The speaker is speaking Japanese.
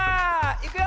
いくよ！